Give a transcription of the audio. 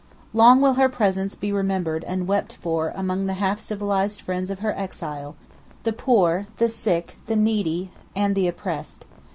'Long will her presence be remembered and wept for among the half civilized friends of her exile, the poor, the sick, the needy and the oppressed.